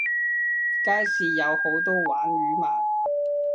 街市有好多鯇魚賣